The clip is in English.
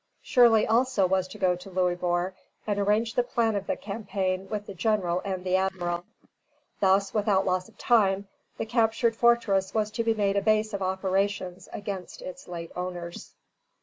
Shirley also was to go to Louisbourg, and arrange the plan of the campaign with the General and the Admiral. Thus, without loss of time, the captured fortress was to be made a base of operations against its late owners.